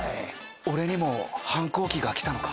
俺にも反抗期が来たのか。